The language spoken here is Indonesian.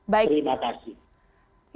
baik terima kasih